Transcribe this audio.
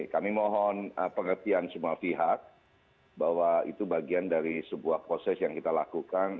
kami mohon pengertian semua pihak bahwa itu bagian dari sebuah proses yang kita lakukan